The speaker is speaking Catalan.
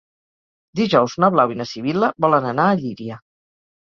Dijous na Blau i na Sibil·la volen anar a Llíria.